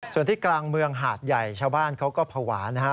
ส่วนที่กลางเมืองหาดใหญ่ชาวบ้านเขาก็ภาวะนะฮะ